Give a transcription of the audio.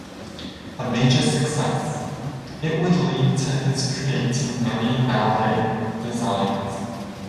A major success, it would lead to his creating many ballet designs.